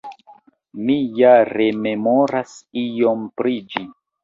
Mi ja rememoras iom pri ĝi.